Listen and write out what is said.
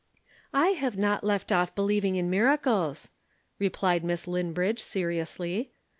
"I have not left off believing in miracles," replied Miss Linbridge seriously.